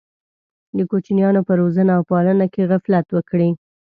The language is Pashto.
د کوچنیانو په روزنه او پالنه کې غفلت وکړي.